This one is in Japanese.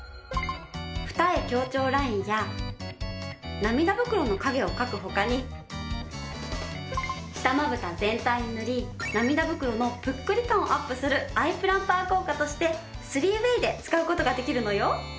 ふたえ強調ラインや涙袋の影を描くほかに下まぶた全体に塗り涙袋のぷっくり感をアップするアイプランパー効果として３ｗａｙで使う事ができるのよ。